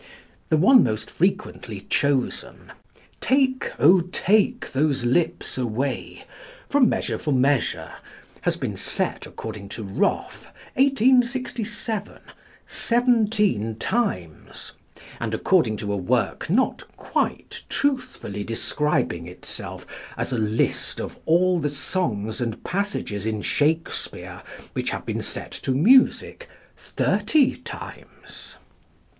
The one most frequently chosen, "Take, oh take those lips away," from +Measure for Measure+, has been set, according to Roffe (1867), seventeen times; and, according to a work not quite truthfully describing itself as A List of All the Songs and Passages in Shakespeare which have been Set to Music, thirty times.